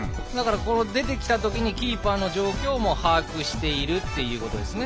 出てきたときにキーパーの状況も把握しているということですね。